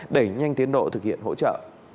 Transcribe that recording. để nhanh tiến độ thực hiện hỗ trợ